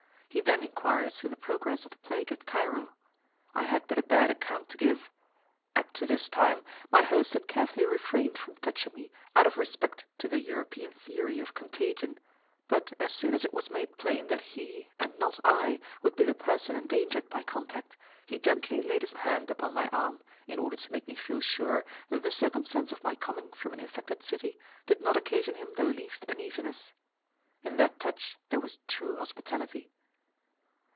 He then inquired as to the progress of the plague at Cairo. I had but a bad account to give. Up to this time my host had carefully refrained from touching me out of respect to the European theory of contagion, but as soon as it was made plain that he, and not I, would be the person endangered by contact, he gently laid his hand upon my arm, in order to make me feel sure that the circumstance of my coming from an infected city did not occasion him the least uneasiness. In that touch there was true hospitality.